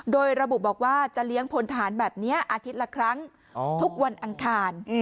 โดยระบุบอกว่าจะเลี้ยงพลทหารแบบนี้อาทิตย์ละครั้งทุกวันอังคาร